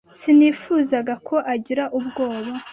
Sinifuzaga ko agira ubwoba.